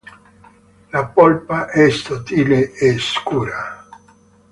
La polpa è sottile e scura.